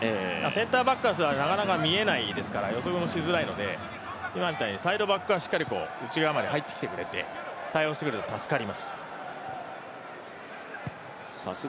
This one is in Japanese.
センターバックからすると、なかなか見えないですから予測もしづらいので、今みたいにサイドバックがしっかり内側まで入ってきてくれて対応してくれると助かります。